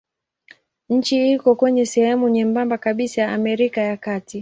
Nchi iko kwenye sehemu nyembamba kabisa ya Amerika ya Kati.